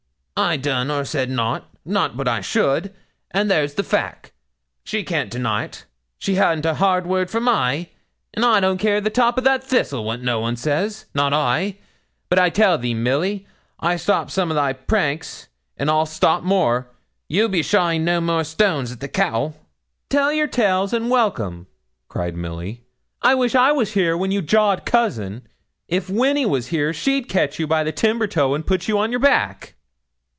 'I done or said nout not but I should, and there's the fack she can't deny't; she hadn't a hard word from I; and I don't care the top o' that thistle what no one says not I. But I tell thee, Milly, I stopped some o' thy pranks, and I'll stop more. Ye'll be shying no more stones at the cattle.' 'Tell your tales, and welcome,' cried Milly. 'I wish I was here when you jawed cousin. If Winny was here she'd catch you by the timber toe and put you on your back.'